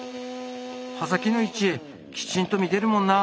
刃先の位置きちんと見てるもんな。